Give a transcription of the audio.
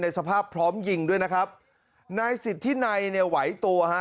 สภาพพร้อมยิงด้วยนะครับนายสิทธินัยเนี่ยไหวตัวฮะ